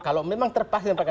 kalau memang terpaksa